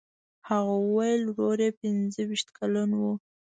هغه وویل چې ورور یې پنځه ویشت کلن و.